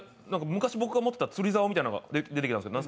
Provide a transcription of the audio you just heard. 昔僕が持ってた釣りざおみたいなのが出てきたんですけど。